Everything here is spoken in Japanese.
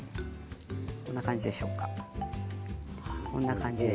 こんな感じでしょうか。